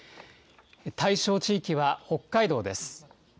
対象地域は北海道です。